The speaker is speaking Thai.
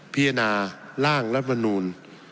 พิจารณาร่างและวนูล